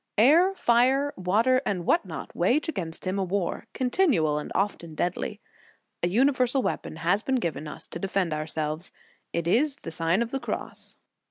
Air, fire, water, and what not, wage against him a war, continual and often deadly. A universal weapon has been given us to defend ourselves ; it is the Sign of the Cross.